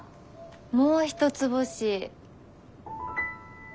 もう一つ星。